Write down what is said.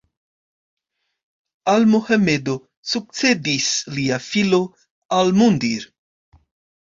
Al Mohamedo sukcedis lia filo Al-Mundir.